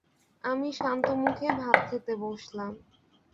আমি শান্তমুখে ভাত খেতে বসলাম।